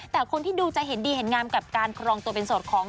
แต่คนที่ดูจะเห็นดีเห็นงามกับการครองตัวเป็นโสดของ